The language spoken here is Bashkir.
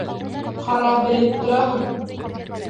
Ҡара, белеп тораһың!